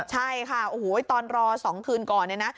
ใช่ค่ะตอนรอ๒คืนก่อนนะ